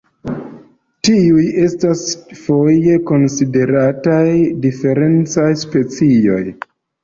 Tiuj estas foje konsiderataj diferencaj specioj.